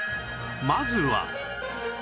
まずは